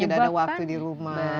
tidak ada waktu di rumah